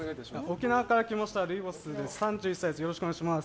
沖縄から来ましたルイボスです。